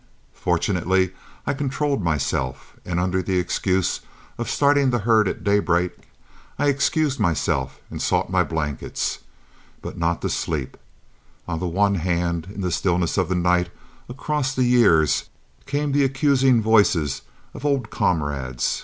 Fortunately I controlled myself, and under the excuse of starting the herd at daybreak, I excused myself and sought my blankets. But not to sleep. On the one hand, in the stillness of the night and across the years, came the accusing voices of old comrades.